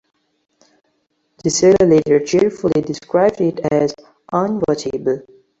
Gisela later cheerfully described it as "unwatchable".